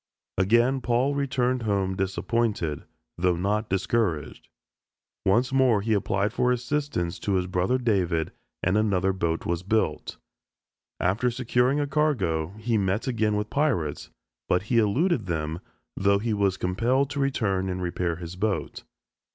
Again Paul returned home disappointed, though not discouraged. Once more he applied for assistance to his brother David and another boat was built. After securing a cargo, he met again with pirates, but he eluded them though he was compelled to return and repair his boat.